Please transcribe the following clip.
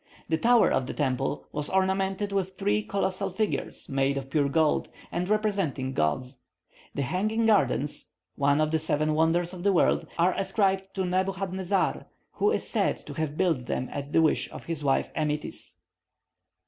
The tower of the temple was ornamented with three colossal figures, made of pure gold, and representing gods. The hanging gardens (one of the seven wonders of the world) are ascribed to Nebuchadnezar, who is said to have built them at the wish of his wife Amytis.